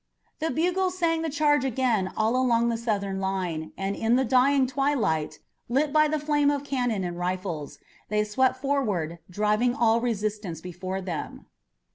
The bugles sang the charge again all along the Southern line, and in the dying twilight, lit by the flame of cannon and rifles, they swept forward, driving all resistance before them.